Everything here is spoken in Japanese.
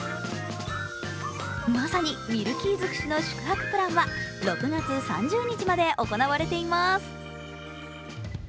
まさにミルキー尽くしの宿泊プランは６月３０日まで行われています。